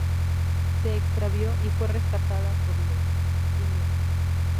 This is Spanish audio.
Se extravió y fue rescatado por los inuit.